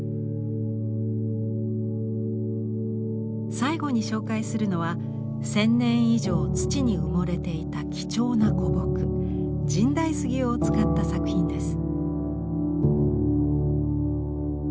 最後に紹介するのは千年以上土に埋もれていた貴重な古木神代杉を使った作品です。